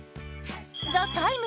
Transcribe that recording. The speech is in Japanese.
「ＴＨＥＴＩＭＥ，」